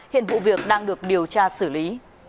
hiện vụ việc đang được điều tra xử lý